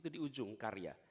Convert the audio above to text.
di ujung karya